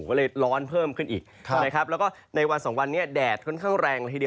เราเลยร้อนเพิ่มขึ้นอีกละครับและก็ในวันสองวันแดดค่อนข้างแรงสักเท่า